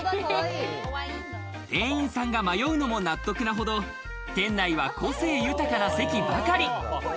店員さんが迷うのも納得なほど、店内は個性豊かな席ばかり。